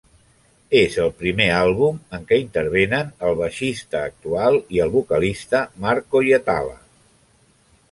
És el primer àlbum en què intervenen el baixista actual i el vocalista Marco Hietala.